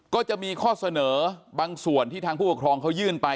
ก็จะมีข้อเสนอบางส่วนที่ทางผู้ปกครองเขายื่นไป